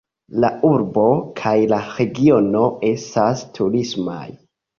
La urbo kaj la regiono estas turismaj.